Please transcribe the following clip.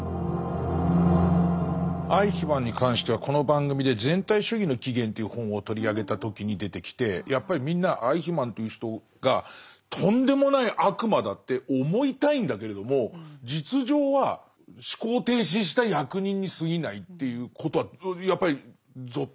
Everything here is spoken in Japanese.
アイヒマンに関してはこの番組で「全体主義の起原」という本を取り上げた時に出てきてやっぱりみんなアイヒマンという人がとんでもない悪魔だって思いたいんだけれども実情は思考停止した役人にすぎないっていうことはやっぱりぞっとしましたね。